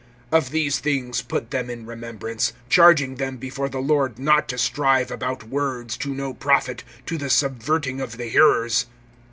(14)Of these things put them in remembrance, charging them before the Lord not to strive about words to no profit, to the subverting of the hearers.